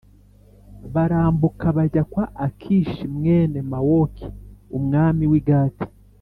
barambuka bajya kwa akishi mwene mawoki, umwami w’i gati